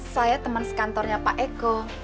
saya teman sekantornya pak eko